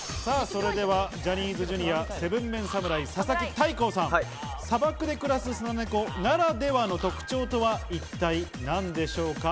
それでは、ジャニーズＪｒ．７ＭＥＮ侍・佐々木大光さんは砂漠で暮らすスナネコならではの特徴とは一体何でしょうか？